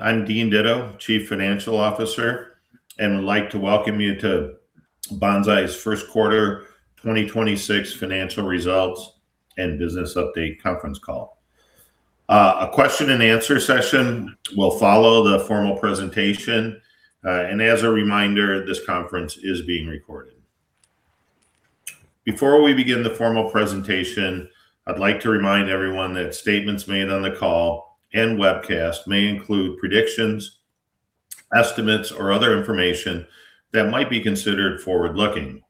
I'm Dean Ditto, Chief Financial Officer, and would like to welcome you to Banzai's first quarter 2026 financial results and business update conference call. A question-and-answer session will follow the formal presentation. As a reminder, this conference is being recorded. Before we begin the formal presentation, I'd like to remind everyone that statements made on the call and webcast may include predictions, estimates, or other information that might be considered forward-looking.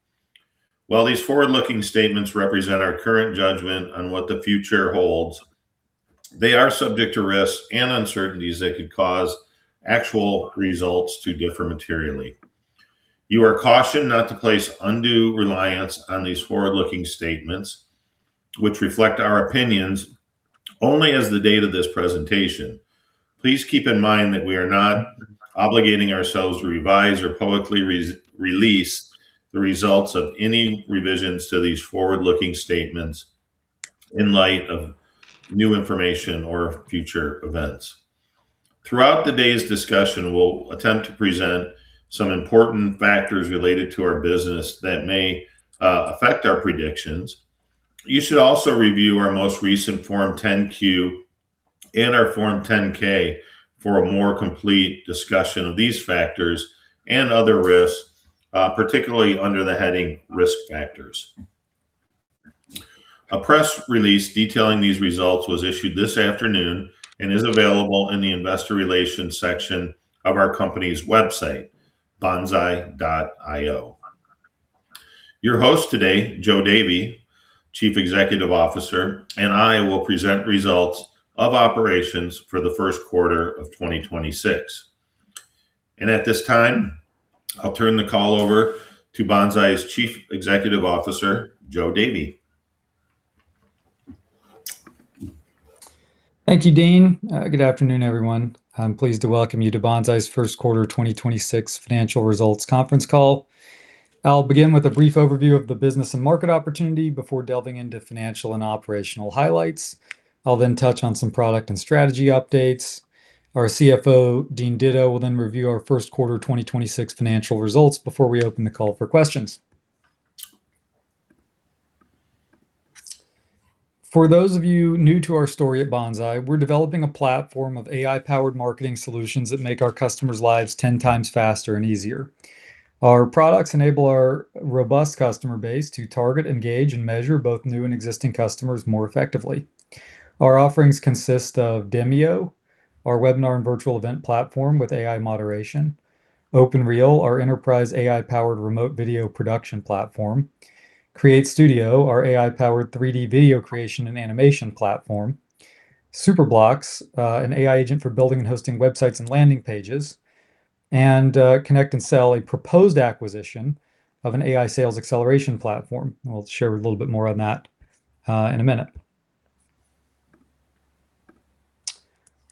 While these forward-looking statements represent our current judgment on what the future holds, they are subject to risks and uncertainties that could cause actual results to differ materially. You are cautioned not to place undue reliance on these forward-looking statements, which reflect our opinions only as of the date of this presentation. Please keep in mind that we are not obligating ourselves to revise or publicly re-release the results of any revisions to these forward-looking statements in light of new information or future events. Throughout today's discussion, we'll attempt to present some important factors related to our business that may affect our predictions. You should also review our most recent Form 10-Q and our Form 10-K for a more complete discussion of these factors and other risks, particularly under the heading Risk Factors. A press release detailing these results was issued this afternoon and is available in the investor relations section of our company's website, banzai.io. Your host today, Joe Davy, Chief Executive Officer, and I will present results of operations for the first quarter of 2026. At this time, I'll turn the call over to Banzai's Chief Executive Officer, Joe Davy. Thank you, Dean. Good afternoon, everyone. I'm pleased to welcome you to Banzai's first quarter 2026 financial results conference call. I'll begin with a brief overview of the business and market opportunity before delving into financial and operational highlights. I'll touch on some product and strategy updates. Our CFO, Dean Ditto, will then review our first quarter 2026 financial results before we open the call for questions. For those of you new to our story at Banzai, we're developing a platform of AI-powered marketing solutions that make our customers' lives 10 times faster and easier. Our products enable our robust customer base to target, engage and measure both new and existing customers more effectively. Our offerings consist of Demio, our webinar and virtual event platform with AI moderation, OpenReel, our enterprise AI-powered remote video production platform, CreateStudio, our AI-powered 3D video creation and animation platform, Superblocks, an AI agent for building and hosting websites and landing pages, and ConnectAndSell, a proposed acquisition of an AI sales acceleration platform. We'll share a little bit more on that in a minute.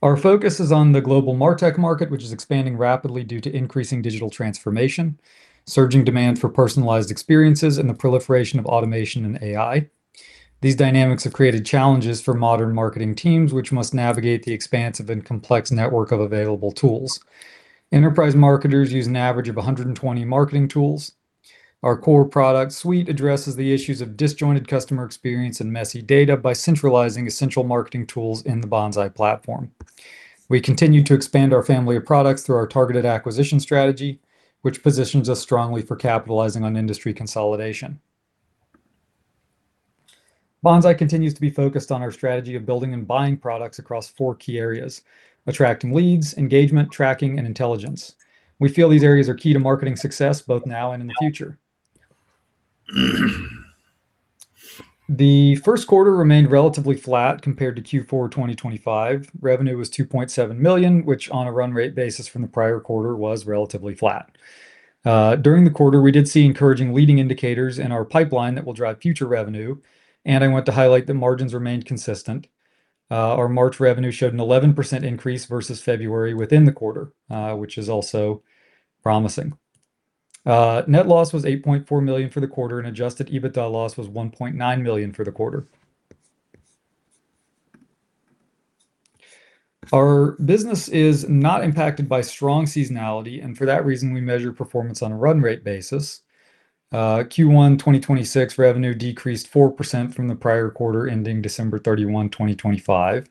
Our focus is on the global MarTech market, which is expanding rapidly due to increasing digital transformation, surging demand for personalized experiences, and the proliferation of automation and AI. These dynamics have created challenges for modern marketing teams, which must navigate the expansive and complex network of available tools. Enterprise marketers use an average of 120 marketing tools. Our core product suite addresses the issues of disjointed customer experience and messy data by centralizing essential marketing tools in the Banzai platform. We continue to expand our family of products through our targeted acquisition strategy, which positions us strongly for capitalizing on industry consolidation. Banzai continues to be focused on our strategy of building and buying products across four key areas: attracting leads, engagement, tracking, and intelligence. We feel these areas are key to marketing success both now and in the future. The first quarter remained relatively flat compared to Q4 2025. Revenue was $2.7 million, which on a run rate basis from the prior quarter was relatively flat. During the quarter, we did see encouraging leading indicators in our pipeline that will drive future revenue, and I want to highlight that margins remained consistent. Our March revenue showed an 11% increase versus February within the quarter, which is also promising. Net loss was $8.4 million for the quarter, and Adjusted EBITDA loss was $1.9 million for the quarter. Our business is not impacted by strong seasonality, and for that reason, we measure performance on a run rate basis. Q1 2026 revenue decreased 4% from the prior quarter ending December 31, 2025.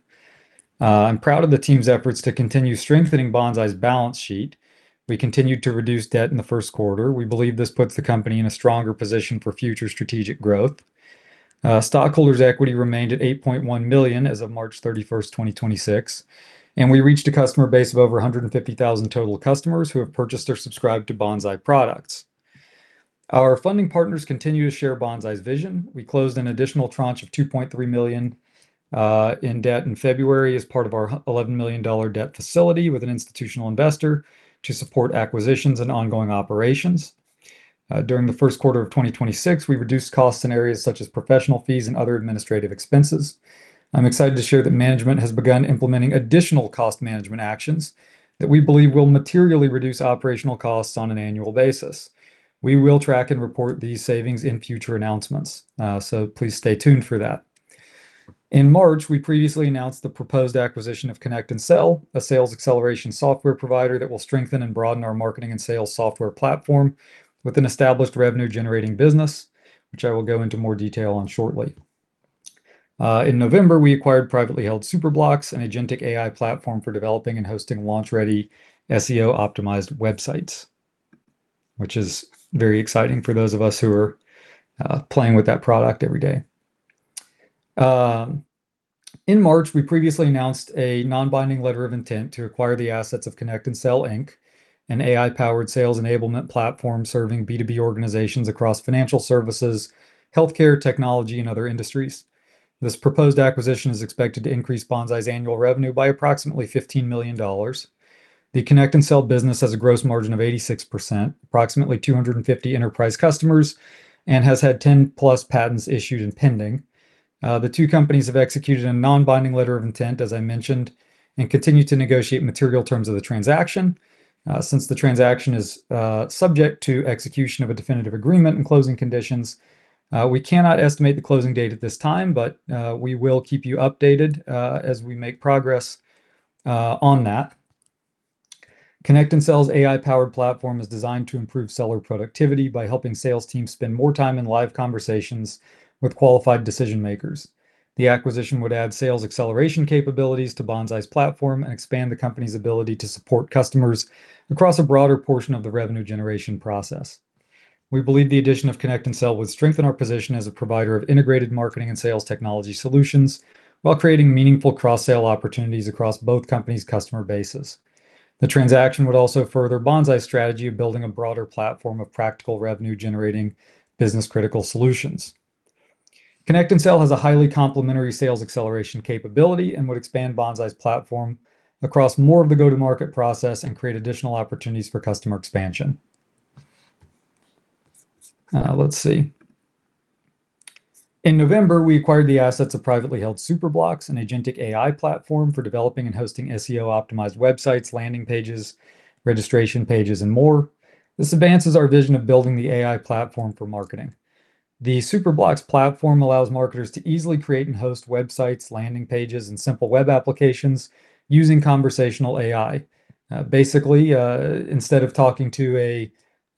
I'm proud of the team's efforts to continue strengthening Banzai's balance sheet. We continued to reduce debt in the first quarter. We believe this puts the company in a stronger position for future strategic growth. Stockholders' equity remained at $8.1 million as of March 31, 2026. We reached a customer base of over 150,000 total customers who have purchased or subscribed to Banzai products. Our funding partners continue to share Banzai's vision. We closed an additional tranche of $2.3 million in debt in February as part of our $11 million debt facility with an institutional investor to support acquisitions and ongoing operations. During the first quarter of 2026, we reduced costs in areas such as professional fees and other administrative expenses. I'm excited to share that management has begun implementing additional cost management actions that we believe will materially reduce operational costs on an annual basis. We will track and report these savings in future announcements. Please stay tuned for that. In March, we previously announced the proposed acquisition of ConnectAndSell, a sales acceleration software provider that will strengthen and broaden our marketing and sales software platform with an established revenue-generating business, which I will go into more detail on shortly. In November, we acquired privately held Superblocks, an agentic AI platform for developing and hosting launch-ready SEO-optimized websites, which is very exciting for those of us who are playing with that product every day. In March, we previously announced a non-binding letter of intent to acquire the assets of ConnectAndSell Inc, an AI-powered sales enablement platform serving B2B organizations across financial services, healthcare, technology, and other industries. This proposed acquisition is expected to increase Banzai's annual revenue by approximately $15 million. The ConnectAndSell business has a gross margin of 86%, approximately 250 enterprise customers, and has had 10+ patents issued and pending. The two companies have executed a non-binding letter of intent, as I mentioned, and continue to negotiate material terms of the transaction. Since the transaction is subject to execution of a definitive agreement and closing conditions, we cannot estimate the closing date at this time, but we will keep you updated as we make progress on that. ConnectAndSell's AI-powered platform is designed to improve seller productivity by helping sales teams spend more time in live conversations with qualified decision-makers. The acquisition would add sales acceleration capabilities to Banzai's platform and expand the company's ability to support customers across a broader portion of the revenue generation process. We believe the addition of ConnectAndSell would strengthen our position as a provider of integrated marketing and sales technology solutions while creating meaningful cross-sale opportunities across both companies' customer bases. The transaction would also further Banzai's strategy of building a broader platform of practical revenue-generating business-critical solutions. ConnectAndSell has a highly complementary sales acceleration capability and would expand Banzai's platform across more of the go-to-market process and create additional opportunities for customer expansion. Let's see. In November, we acquired the assets of privately held Superblocks, an agentic AI platform for developing and hosting SEO-optimized websites, landing pages, registration pages, and more. This advances our vision of building the AI platform for marketing. The Superblocks platform allows marketers to easily create and host websites, landing pages, and simple web applications using conversational AI. Basically, instead of talking to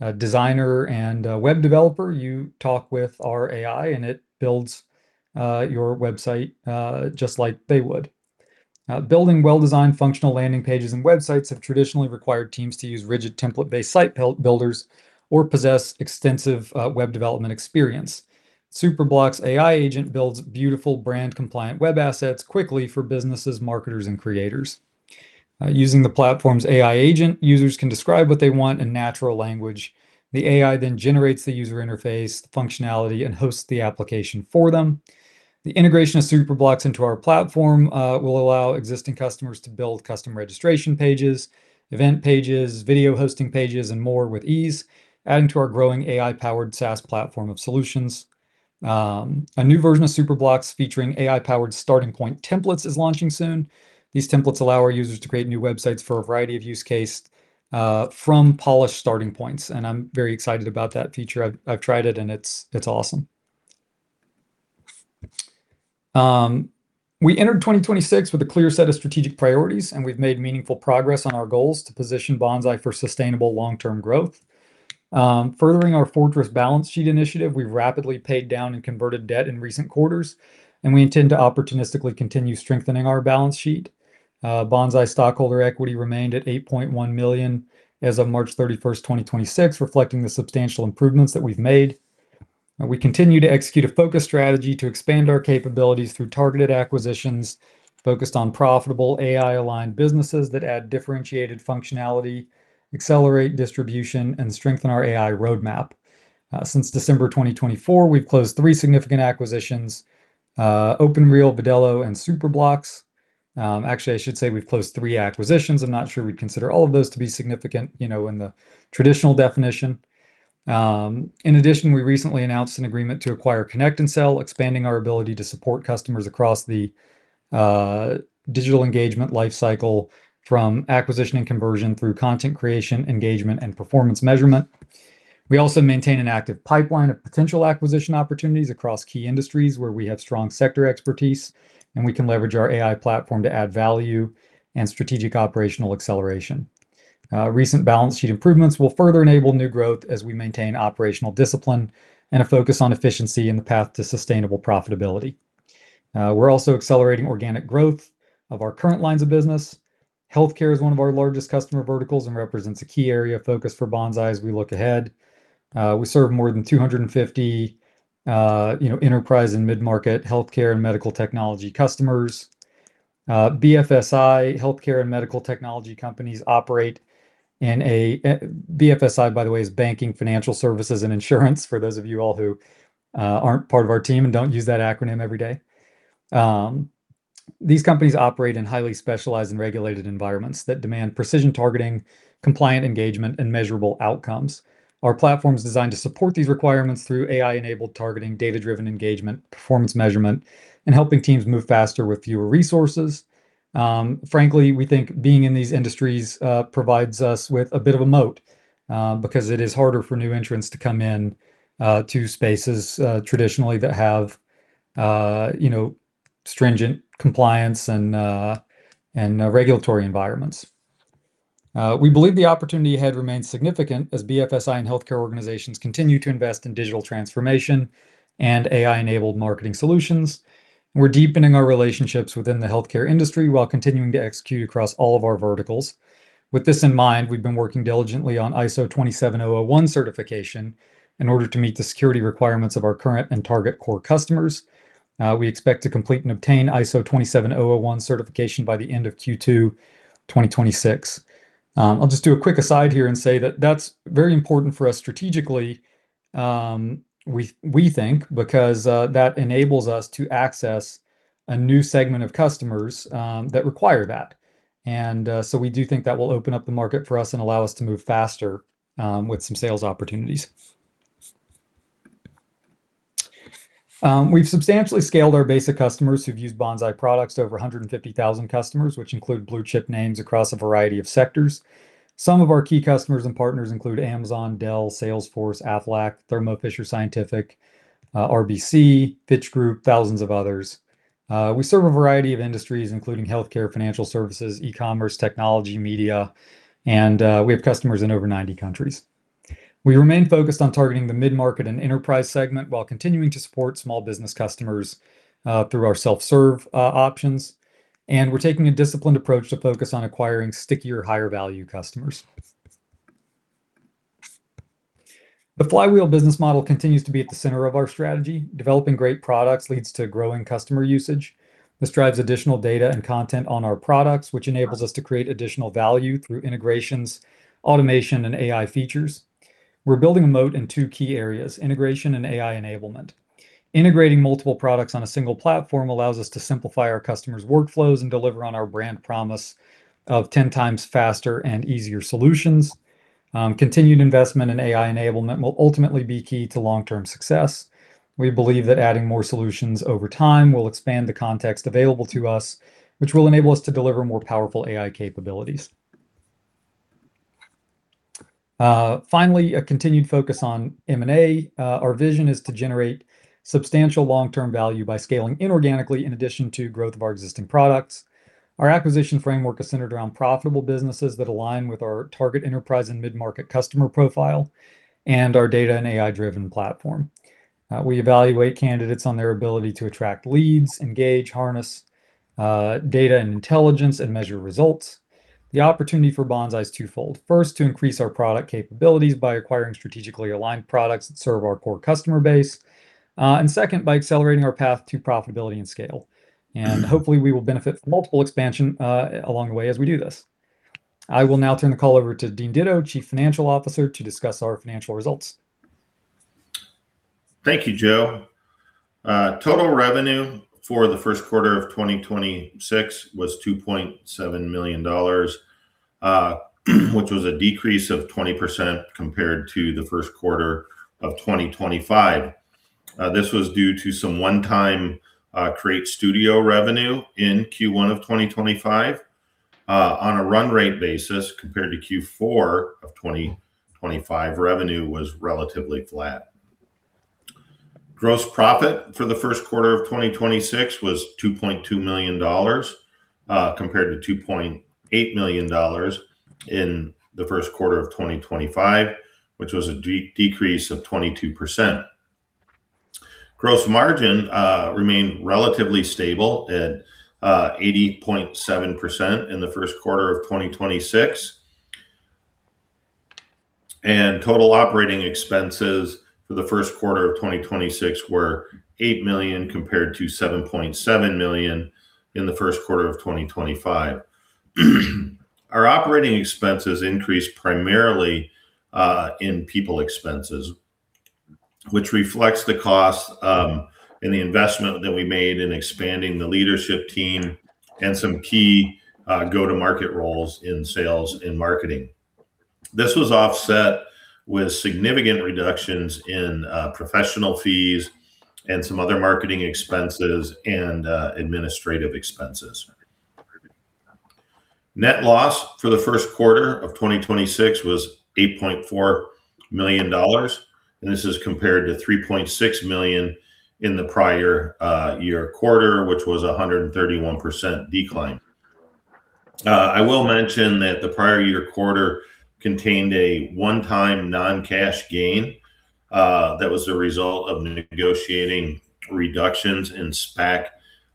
a designer and a web developer, you talk with our AI, and it builds your website just like they would. Building well-designed functional landing pages and websites have traditionally required teams to use rigid template-based site builders or possess extensive web development experience. Superblocks AI agent builds beautiful brand-compliant web assets quickly for businesses, marketers, and creators. Using the platform's AI agent, users can describe what they want in natural language. The AI generates the user interface functionality and hosts the application for them. The integration of Superblocks into our platform will allow existing customers to build custom registration pages, event pages, video hosting pages, and more with ease, adding to our growing AI-powered SaaS platform of solutions. A new version of Superblocks featuring AI-powered starting point templates is launching soon. These templates allow our users to create new websites for a variety of use case, from polished starting points. I've tried it and it's awesome. We entered 2026 with a clear set of strategic priorities. We've made meaningful progress on our goals to position Banzai for sustainable long-term growth. Furthering our fortress balance sheet initiative, we've rapidly paid down and converted debt in recent quarters. We intend to opportunistically continue strengthening our balance sheet. Banzai stockholder equity remained at $8.1 million as of March 31, 2026, reflecting the substantial improvements that we've made. We continue to execute a focused strategy to expand our capabilities through targeted acquisitions focused on profitable AI-aligned businesses that add differentiated functionality, accelerate distribution, and strengthen our AI roadmap. Since December 2024, we've closed three significant acquisitions: OpenReel, Vidello, and Superblocks. Actually, I should say we've closed three acquisitions. I'm not sure we'd consider all of those to be significant, you know, in the traditional definition. In addition, we recently announced an agreement to acquire ConnectAndSell, expanding our ability to support customers across the digital engagement life cycle from acquisition and conversion through content creation, engagement, and performance measurement. We also maintain an active pipeline of potential acquisition opportunities across key industries where we have strong sector expertise, and we can leverage our AI platform to add value and strategic operational acceleration. Recent balance sheet improvements will further enable new growth as we maintain operational discipline and a focus on efficiency in the path to sustainable profitability. We're also accelerating organic growth of our current lines of business. Healthcare is one of our largest customer verticals and represents a key area of focus for Banzai as we look ahead. We serve more than 250, you know, enterprise and mid-market healthcare and medical technology customers. BFSI, healthcare, and medical technology companies. BFSI, by the way, is banking, financial services, and insurance, for those of you all who aren't part of our team and don't use that acronym every day. These companies operate in highly specialized and regulated environments that demand precision targeting, compliant engagement, and measurable outcomes. Our platform is designed to support these requirements through AI-enabled targeting, data-driven engagement, performance measurement, and helping teams move faster with fewer resources. Frankly, we think being in these industries provides us with a bit of a moat, because it is harder for new entrants to come in to spaces traditionally that have, you know, stringent compliance and regulatory environments. We believe the opportunity ahead remains significant as BFSI and healthcare organizations continue to invest in digital transformation and AI-enabled marketing solutions. We're deepening our relationships within the healthcare industry while continuing to execute across all of our verticals. With this in mind, we've been working diligently on ISO 27001 certification in order to meet the security requirements of our current and target core customers. We expect to complete and obtain ISO 27001 certification by the end of Q2 2026. I'll just do a quick aside here and say that that's very important for us strategically, we think because that enables us to access a new segment of customers that require that. We do think that will open up the market for us and allow us to move faster with some sales opportunities. We've substantially scaled our base of customers who've used Banzai products to over 150,000 customers, which include blue-chip names across a variety of sectors. Some of our key customers and partners include Amazon, Dell, Salesforce, Aflac, Thermo Fisher Scientific, RBC, Fitch Group, thousands of others. We serve a variety of industries, including healthcare, financial services, e-commerce, technology, media, and we have customers in over 90 countries. We remain focused on targeting the mid-market and enterprise segment while continuing to support small business customers through our self-serve options. We're taking a disciplined approach to focus on acquiring stickier higher value customers. The flywheel business model continues to be at the center of our strategy. Developing great products leads to growing customer usage. This drives additional data and content on our products, which enables us to create additional value through integrations, automation, and AI features. We're building a moat in two key areas, integration and AI enablement. Integrating multiple products on a single platform allows us to simplify our customers' workflows and deliver on our brand promise of 10 times faster and easier solutions. Continued investment in AI enablement will ultimately be key to long-term success. We believe that adding more solutions over time will expand the context available to us, which will enable us to deliver more powerful AI capabilities. Finally, a continued focus on M&A. Our vision is to generate substantial long-term value by scaling inorganically in addition to growth of our existing products. Our acquisition framework is centered around profitable businesses that align with our target enterprise and mid-market customer profile and our data and AI-driven platform. We evaluate candidates on their ability to attract leads, engage, harness data and intelligence, and measure results. The opportunity for Banzai is twofold. First, to increase our product capabilities by acquiring strategically aligned products that serve our core customer base. Second, by accelerating our path to profitability and scale. Hopefully, we will benefit from multiple expansion along the way as we do this. I will now turn the call over to Dean Ditto, Chief Financial Officer, to discuss our financial results. Thank you, Joe. Total revenue for the first quarter of 2026 was $2.7 million, which was a decrease of 20% compared to the first quarter of 2025. This was due to some one-time CreateStudio revenue in Q1 of 2025. On a run rate basis compared to Q4 of 2025, revenue was relatively flat. Gross profit for the first quarter of 2026 was $2.2 million, compared to $2.8 million in the first quarter of 2025, which was a decrease of 22%. Gross margin remained relatively stable at 80.7% in the first quarter of 2026. Total operating expenses for the first quarter of 2026 were $8 million compared to $7.7 million in the first quarter of 2025. Our operating expenses increased primarily in people expenses, which reflects the cost and the investment that we made in expanding the leadership team and some key go-to-market roles in sales and marketing. This was offset with significant reductions in professional fees and some other marketing expenses and administrative expenses. Net loss for the first quarter of 2026 was $8.4 million, this is compared to $3.6 million in the prior year quarter, which was a 131% decline. I will mention that the prior year quarter contained a one-time non-cash gain that was the result of negotiating reductions in SPAC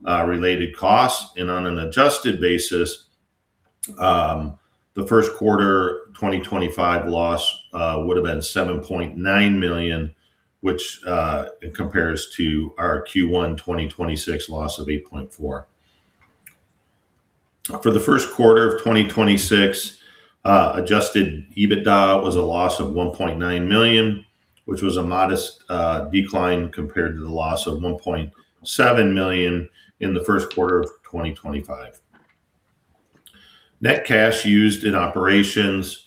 related costs. On an adjusted basis, the first quarter 2025 loss would have been $7.9 million, which compares to our Q1 2026 loss of $8.4 million. For the first quarter of 2026, Adjusted EBITDA was a loss of $1.9 million, which was a modest decline compared to the loss of $1.7 million in the first quarter of 2025. Net cash used in operations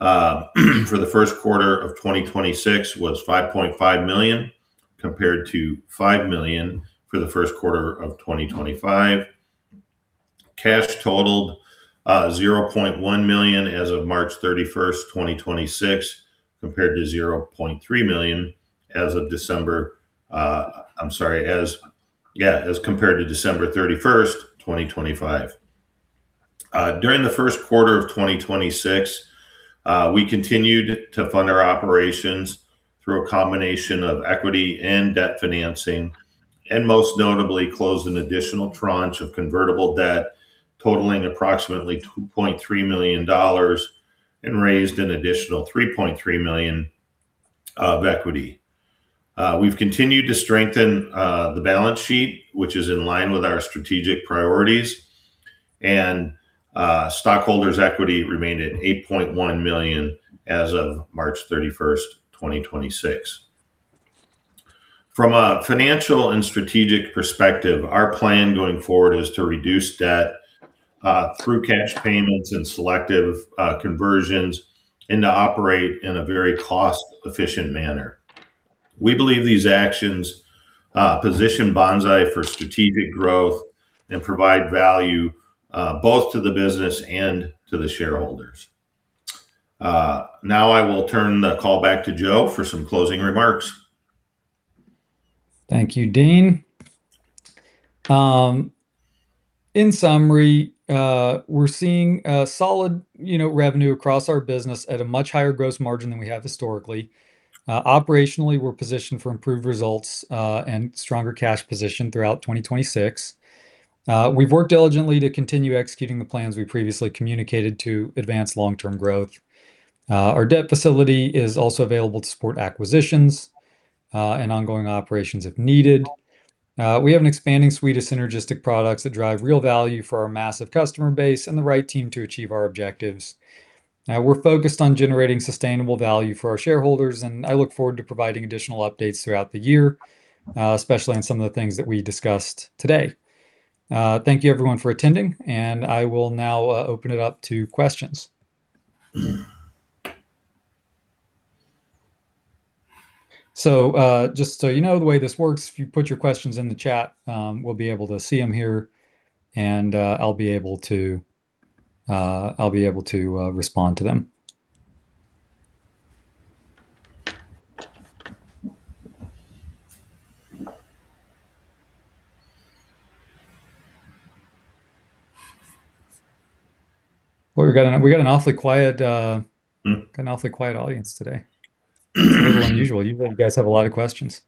for the first quarter of 2026 was $5.5 million, compared to $5 million for the first quarter of 2025. Cash totaled $0.1 million as of March 31st, 2026, compared to $0.3 million as compared to December 31st, 2025. During the first quarter of 2026, we continued to fund our operations through a combination of equity and debt financing, and most notably closed an additional tranche of convertible debt totaling approximately $2.3 million, and raised an additional $3.3 million of equity. We've continued to strengthen the balance sheet, which is in line with our strategic priorities, and stockholders' equity remained at $8.1 million as of March 31st, 2026. From a financial and strategic perspective, our plan going forward is to reduce debt through cash payments and selective conversions, and to operate in a very cost efficient manner. We believe these actions position Banzai for strategic growth and provide value both to the business and to the shareholders. Now I will turn the call back to Joe for some closing remarks. Thank you, Dean. In summary, we're seeing a solid, you know, revenue across our business at a much higher gross margin than we have historically. Operationally, we're positioned for improved results and stronger cash position throughout 2026. We've worked diligently to continue executing the plans we previously communicated to advance long-term growth. Our debt facility is also available to support acquisitions and ongoing operations if needed. We have an expanding suite of synergistic products that drive real value for our massive customer base and the right team to achieve our objectives. We're focused on generating sustainable value for our shareholders, and I look forward to providing additional updates throughout the year, especially on some of the things that we discussed today. Thank you everyone for attending, and I will now open it up to questions. Just so you know, the way this works, if you put your questions in the chat, we'll be able to see them here and I'll be able to respond to them. We got an awfully quiet. An awfully quiet audience today. This is unusual. You guys have a lot of questions.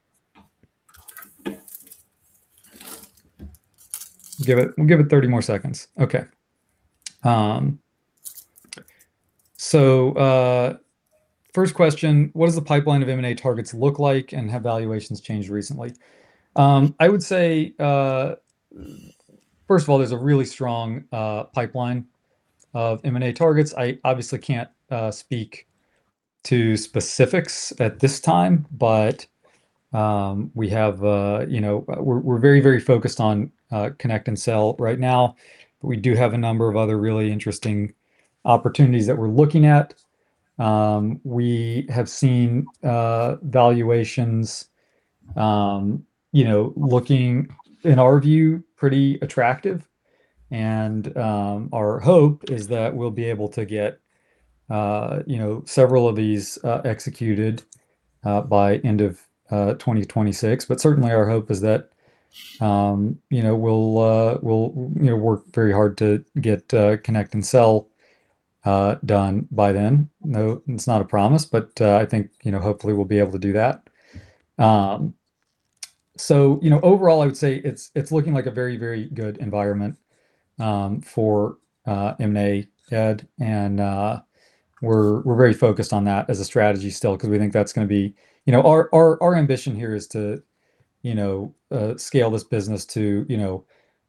We'll give it 30 more seconds. Okay. First question, "What does the pipeline of M&A targets look like, and have valuations changed recently?" I would say, first of all, there's a really strong pipeline of M&A targets. I obviously can't speak to specifics at this time, but we have, you know, we're very, very focused on ConnectAndSell right now. We do have a number of other really interesting opportunities that we're looking at. We have seen valuations, you know, looking, in our view, pretty attractive. Our hope is that we'll be able to get, you know, several of these executed by end of 2026. Certainly our hope is that, you know, we'll, you know, work very hard to get ConnectAndSell done by then. No, it's not a promise, but I think, you know, hopefully we'll be able to do that. You know, overall, I would say it's looking like a very, very good environment for M&A, Ed, and we're very focused on that as a strategy still, because we think that's gonna be You know, our, our ambition here is to, you know, scale this business to, you know,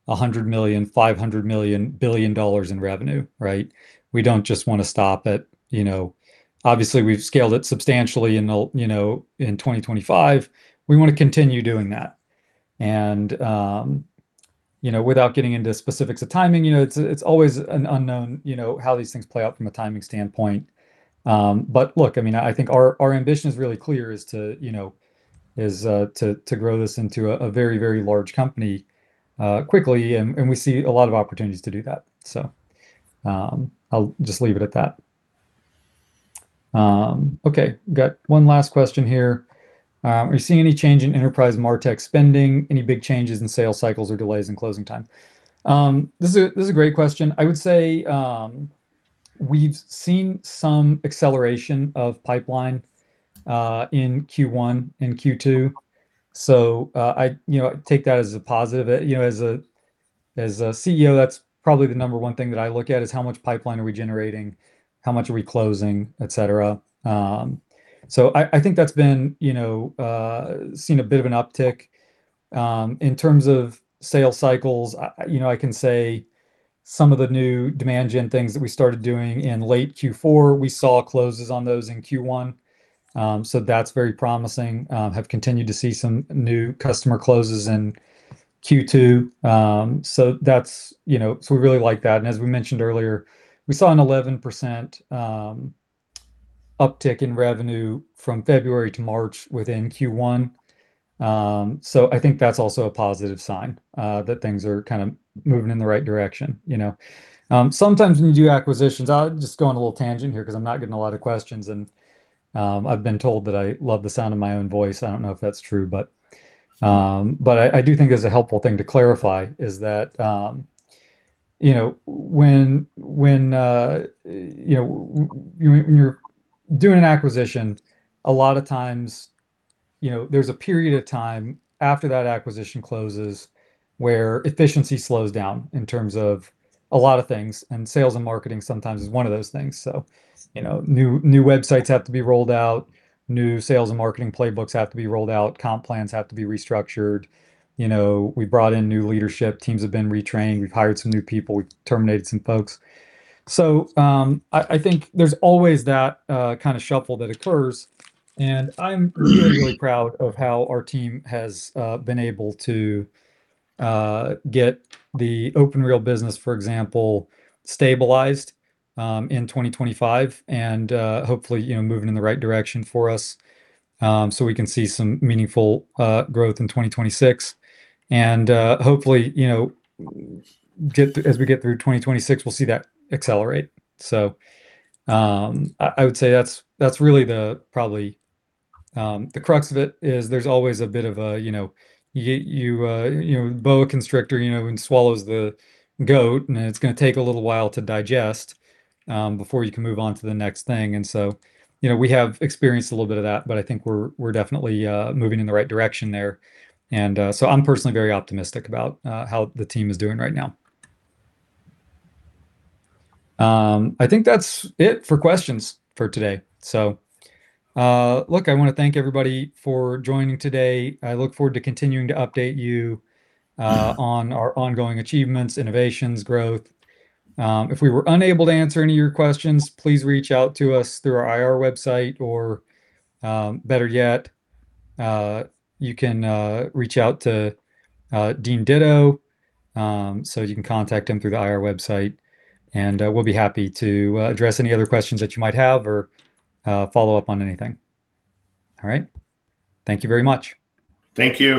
$100 million, $500 million, $1 billion in revenue, right? We don't just wanna stop at You know, obviously we've scaled it substantially in the, you know, in 2025. We wanna continue doing that. You know, without getting into specifics of timing, you know, it's always an unknown, you know, how these things play out from a timing standpoint. Look, I mean, I think our ambition is really clear, is to, you know, is to grow this into a very, very large company quickly and we see a lot of opportunities to do that. I'll just leave it at that. Okay. Got one last question here. "Are you seeing any change in enterprise MarTech spending? Any big changes in sales cycles or delays in closing time?" This is a great question. I would say, we've seen some acceleration of pipeline in Q1 and Q2. I, you know, take that as a positive. You know, as a, as a CEO, that's probably the number one thing that I look at, is how much pipeline are we generating, how much are we closing, et cetera. I think that's been, you know, seen a bit of an uptick. In terms of sales cycles, I, you know, I can say some of the new demand gen things that we started doing in late Q4, we saw closes on those in Q1. That's very promising. Have continued to see some new customer closes in Q2. That's, you know. We really like that. As we mentioned earlier, we saw an 11% uptick in revenue from February to March within Q1. I think that's also a positive sign that things are kind of moving in the right direction, you know. Sometimes when you do acquisitions, I'll just go on a little tangent here 'cause I'm not getting a lot of questions, I've been told that I love the sound of my own voice. I don't know if that's true, I do think it's a helpful thing to clarify is that, you know, when you're doing an acquisition, a lot of times, you know, there's a period of time after that acquisition closes where efficiency slows down in terms of a lot of things, sales and marketing sometimes is one of those things. You know, new websites have to be rolled out, new sales and marketing playbooks have to be rolled out, comp plans have to be restructured. You know, we brought in new leadership, teams have been retrained, we've hired some new people, we terminated some folks. I think there's always that kind of shuffle that occurs, and I'm really proud of how our team has been able to get the OpenReel business, for example, stabilized in 2025, and hopefully, you know, moving in the right direction for us, so we can see some meaningful growth in 2026. Hopefully, you know, as we get through 2026, we'll see that accelerate. I would say that's really the probably the crux of it is there's always a bit of a, you know, you know, boa constrictor, you know, and swallows the goat, and it's gonna take a little while to digest before you can move on to the next thing. You know, we have experienced a little bit of that, but I think we're definitely moving in the right direction there. I'm personally very optimistic about how the team is doing right now. I think that's it for questions for today. Look, I wanna thank everybody for joining today. I look forward to continuing to update you on our ongoing achievements, innovations, growth. If we were unable to answer any of your questions, please reach out to us through our IR website, or better yet, you can reach out to Dean Ditto. You can contact him through the IR website, and we'll be happy to address any other questions that you might have or follow up on anything. All right. Thank you very much. Thank you.